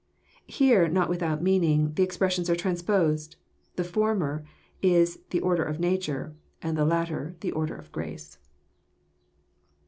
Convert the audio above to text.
Here, not without meaning, the expressions are transposed. The for mer is the order of nature, the latter the order of grace."